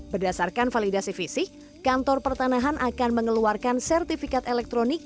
berdasarkan validasi fisik kantor pertanahan akan mengeluarkan sertifikat elektronik